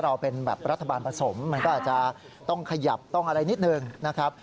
เราเป็นแบบรัฐบาลผสมมันก็อาจจะต้องขยับต้องอะไรนิดหนึ่งนะครับ